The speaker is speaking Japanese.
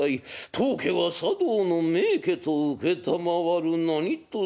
当家は茶道の名家と承る。何とぞ』。